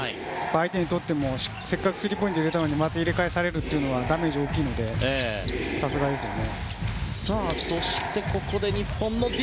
相手にとっても、せっかくスリーポイントを入れたのにまた入れ返されるというのはダメージ大きいのでさすがですよね。